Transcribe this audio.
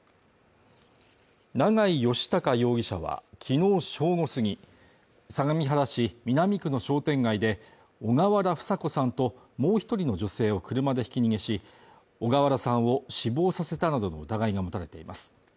長井義孝容疑者は、きのう正午過ぎ、相模原市南区の商店街で小河原房子さんともう１人の女性を車でひき逃げし、小河原さんを死亡させたなどの疑いが持たれています。